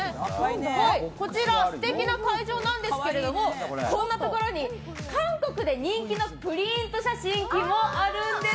こちら、すてきな会場なんですけどこんなところに韓国で人気のプリント写真機もあるんです。